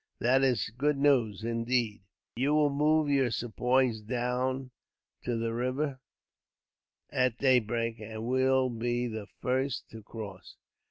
That is good news, indeed!" "You will move your Sepoys down to the river at daybreak, and will be the first to cross.